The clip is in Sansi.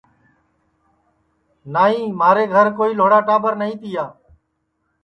نائی مھارے گھر کوئی لھوڑا ٹاٻر نائی تیا